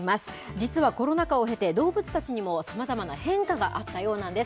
実はコロナ禍を経て動物たちにもさまざまな変化があったようなんです。